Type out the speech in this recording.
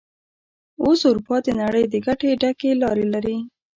اوس اروپا د نړۍ د ګټه ډکې لارې لري.